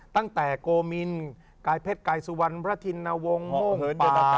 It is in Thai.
ตั้งแต่โกมินไกล่เพชรไกล่สุวรรณระธินวงโมงปลา